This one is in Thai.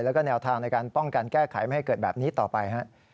แล้วก็แนวทางในการป้องกันแก้ไขไม่ให้เกิดแบบนี้ต่อไป